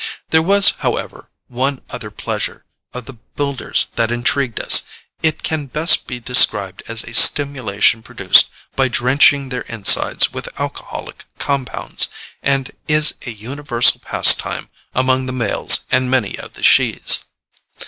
There was, however, one other pleasure of the Builders that intrigued us. It can best be described as a stimulation produced by drenching their insides with alcoholic compounds, and is a universal pastime among the males and many of the shes.